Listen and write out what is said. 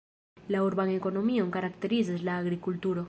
La urban ekonomion karakterizas la agrikulturo.